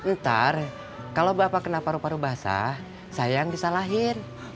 ntar kalau bapak kena paru paru basah sayang bisa lahir